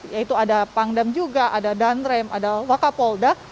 yaitu ada pangdam juga ada dandrem ada wakapolda